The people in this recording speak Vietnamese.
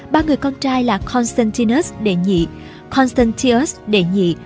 ba người con trai là constantinus đệ nhị constantius đệ nhị